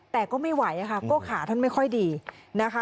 แต่ก็ไม่ไหวค่ะก็ขาท่านไม่ค่อยดีนะคะ